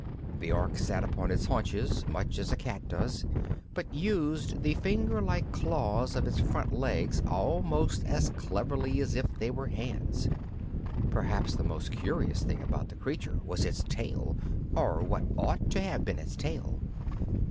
The Ork sat upon its haunches much as a cat does, but used the finger like claws of its front legs almost as cleverly as if they were hands. Perhaps the most curious thing about the creature was its tail, or what ought to have been its tail.